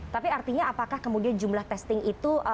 tapi artinya apakah kemudian jumlah testing itu